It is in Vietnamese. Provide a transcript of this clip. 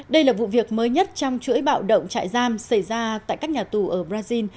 đây là vụ việc mới nhất trong chuỗi bạo động trại giam xảy ra tại các nhà tù ở brazil